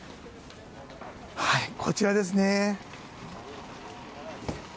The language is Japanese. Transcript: こちらですね。